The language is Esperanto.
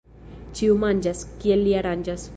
Ĉiu manĝas, kiel li aranĝas.